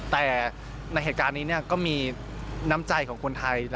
แต่ในเหตุการณ์นี้ก็มีน้ำใจของคนไทย